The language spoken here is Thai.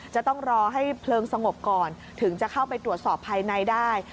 จะต้องรอให้เพลิงสงบก่อนถึงจะเข้าไปตรวจสอบภายในได้